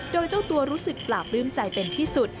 โดยเจ้าตัวรู้สึกปราบปลื้มใจเป็นที่สุด